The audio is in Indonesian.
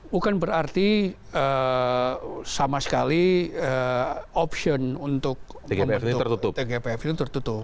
bukan berarti sama sekali option untuk tgpf ini tertutup